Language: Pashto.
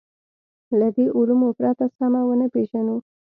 له دې علومو پرته سمه ونه پېژنو.